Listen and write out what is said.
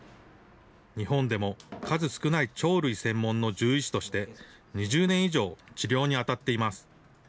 日本でも数少ない鳥類専門の獣医師として、２０年以上、治療に当たっています。